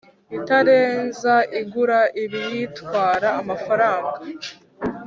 Itarenza igura ibiyitwara amafaranga